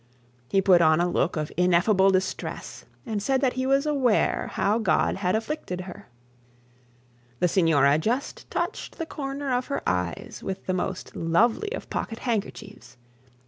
He put on a look of ineffable distress, and said that he was aware how God had afflicted her. The signora just touched the corner of her eyes with the most lovely of pocket handkerchiefs.